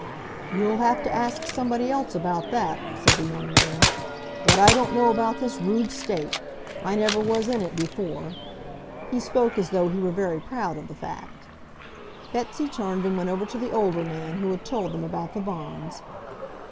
"You'll have to ask somebody else about that," said the young man. "What I don't know about this Rube state! I never was in it before." He spoke as though he were very proud of the fact. Betsy turned and went over to the older man who had told them about the Vaughans.